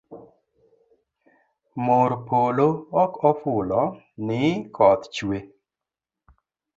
Mor polo ok ofulo ni koth chue